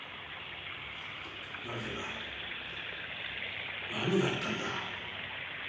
なぜだ？何があったんだ？